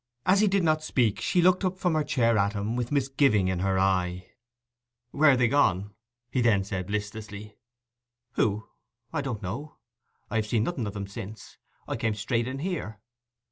As he did not speak, she looked up from her chair at him, with misgiving in her eye. 'Where are they gone?' he then said listlessly. 'Who?—I don't know. I have seen nothing of them since. I came straight in here.